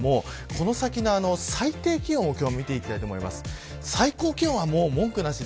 この先の最低気温を見ていきたいと思います。